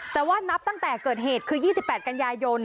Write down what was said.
แต่ว่านับตั้งแต่เกิดเหตุคือ๒๘กันยายน